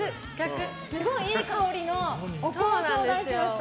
すごいいい香りのお香を頂戴しました。